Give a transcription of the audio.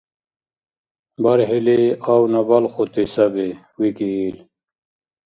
— БархӀили авна балхути саби, – викӀи ил.